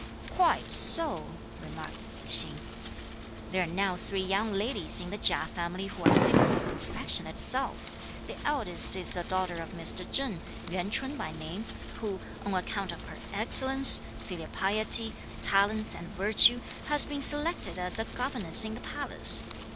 "Quite so!" remarked Tzu hsing; "there are now three young ladies in the Chia family who are simply perfection itself. The eldest is a daughter of Mr. Cheng, Yuan Ch'un by name, who, on account of her excellence, filial piety, talents, and virtue, has been selected as a governess in the palace.